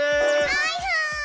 はいはーい！